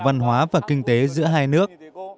văn hóa và kinh tế giữa hai nước